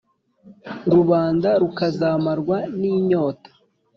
rubanda rukazamarwa n’inyota.